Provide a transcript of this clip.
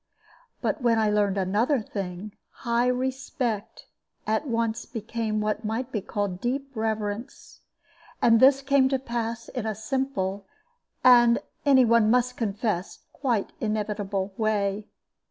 But when I learned another thing, high respect at once became what might be called deep reverence. And this came to pass in a simple and, as any one must confess, quite inevitable way.